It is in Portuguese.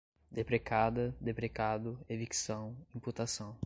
deprecada, deprecado, evicção, imputação